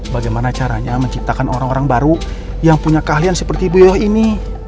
bagaimana caranya menciptakan orang orang baru yang punya keahlian seperti bu yo ini